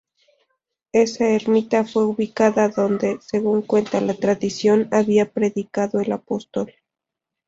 Esa ermita fue ubicada donde, según cuenta la tradición, había predicado el apóstol.